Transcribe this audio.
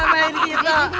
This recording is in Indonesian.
kamu main gitu